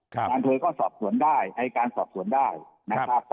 นานเธอก็สอบสวนได้ให้การสอบสวนได้นะฮะ